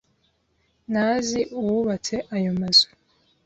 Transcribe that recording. Ntazi uwubatse ayo mazu.